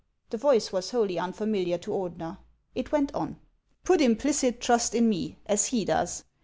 The voice was wholly unfamiliar to Ordener. It went on :" Put implicit trust in me, as he does.